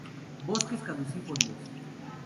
Bosques caducifolios.